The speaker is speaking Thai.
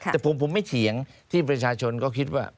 แต่ผมไม่เถียงที่ประชาชนก็คิดว่า